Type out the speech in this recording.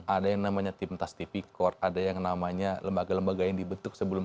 ada yang namanya tim tas tipikor ada yang namanya lembaga lembaga yang dibentuk sebelum